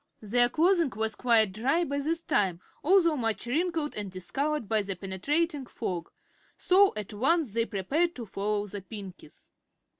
Their clothing was quite dry by this time, although much wrinkled and discolored by the penetrating fog, so at once they prepared to follow the Pinkies.